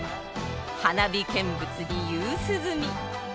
花火見物に夕涼み。